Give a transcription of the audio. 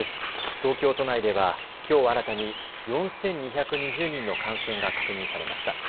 東京都内ではきょう新たに４２２０人の感染が確認されました。